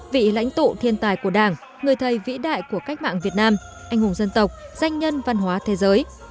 vị lãnh tụ thiên tài của đảng người thầy vĩ đại của cách mạng việt nam anh hùng dân tộc danh nhân văn hóa thế giới